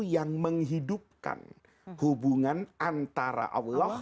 yang berkaitan dengan allah